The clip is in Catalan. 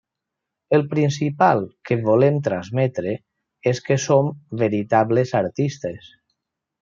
El principal que volem transmetre és que som veritables artistes.